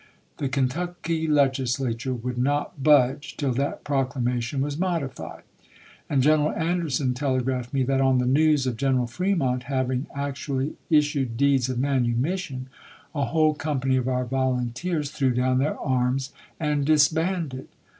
The Kentucky Legislature would not budge till that proclamation was modified ; and General Anderson telegraphed me that on the news of General Fremont having actually issued deeds of manumission, a whole company of our volunteers threw down their arms and disbanded.